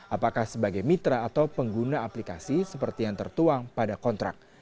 apakah sebagai mitra atau pengguna aplikasi seperti yang tertuang pada kontrak